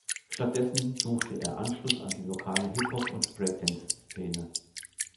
Stattdessen suchte er Anschluss an die lokale Hip-Hop- und Breakdance-Szene.